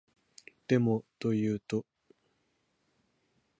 でも、と君は言うと、男がううんと声に出して、君の言葉をさえぎった